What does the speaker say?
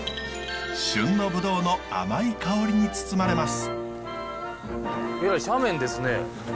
旬のブドウの甘い香りに包まれます。